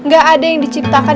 gak ada yang diciptakan